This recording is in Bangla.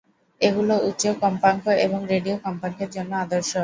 এগুলি উচ্চ কম্পাঙ্ক এবং রেডিও কম্পাঙ্কের জন্য আদর্শ।